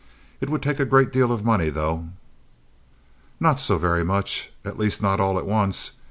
It would take a great deal of money, though." "Not so very much. At least, not all at once.